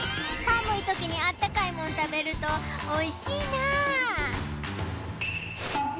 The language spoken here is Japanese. さむいときにあったかいもんたべるとおいしいなあ。